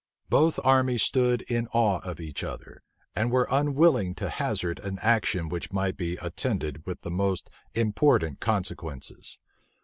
Both armies stood in awe of each other, and were unwilling to hazard an action which might be attended with the most important consequences.